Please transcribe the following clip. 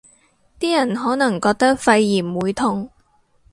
啲人可能覺得肺炎會痛